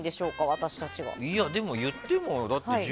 私たちは。